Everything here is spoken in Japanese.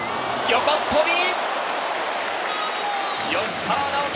横っ飛び！